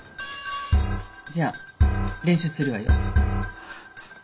じゃあ練習するわよ。